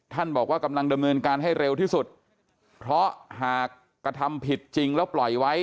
บอกว่ากำลังดำเนินการให้เร็วที่สุดเพราะหากกระทำผิดจริงแล้วปล่อยไว้